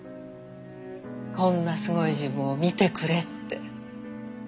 こんなすごい自分を見てくれって。